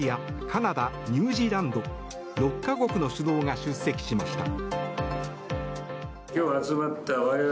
カナダ、ニュージーランド６か国の首脳が出席しました。